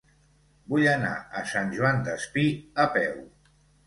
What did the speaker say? Vull anar a Sant Joan Despí a peu.